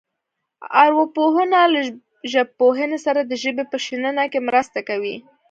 ارواپوهنه له ژبپوهنې سره د ژبې په شننه کې مرسته کوي